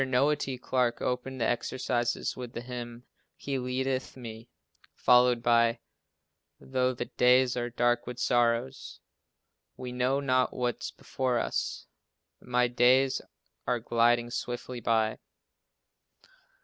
Noah T. Clarke opened the exercises with the hymn "He leadeth me," followed by "Though the days are dark with sorrow," "We know not what's before us," "My days are gliding swiftly by."